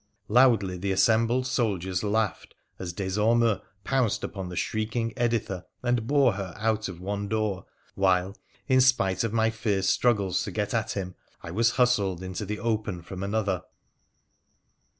Loudly the assembled soldiers laughed as Des Ormenx pounced upon the shrieking Editha and bore her out of one door, while, in spite of my fierce struggles to get at him, I was hustled into the open from another.